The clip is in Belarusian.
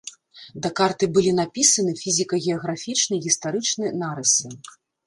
Да карты былі напісаны фізіка-геаграфічны і гістарычны нарысы.